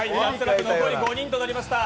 残り５人となりました。